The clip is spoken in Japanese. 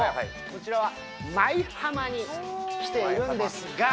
こちらは舞浜に来ているんですが。